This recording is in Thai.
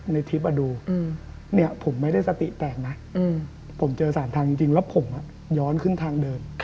ในคลิปดูเนี่ยผมไม่ได้สติแตกนะผมเจอ๓ทางจริงแล้วผมย้อนขึ้นทางเดิน